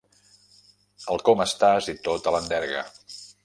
El com estàs i tota l'enderga.